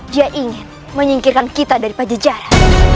dia ingin menyingkirkan kita dari pajejara